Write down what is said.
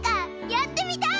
やってみたい！